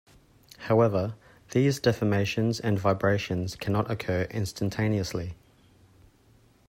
However, these deformations and vibrations cannot occur instantaneously.